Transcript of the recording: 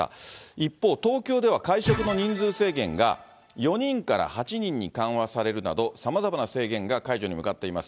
一方、東京では会食の人数制限が４人から８人に緩和されるなど、さまざまな制限が解除に向かっています。